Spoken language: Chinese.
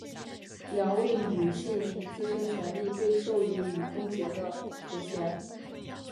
两位女性凭自身权利被授予女公爵的头衔。